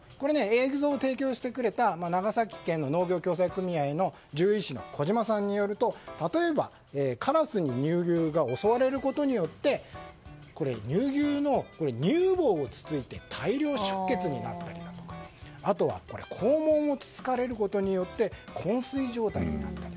映像を提供してくれた長崎県の農業共済組合の獣医師の児嶋さんによると例えば、カラスに乳牛が襲われることによって乳牛の乳房をつついて大量出血になったりあとは肛門をつつかれることによって昏睡状態になる。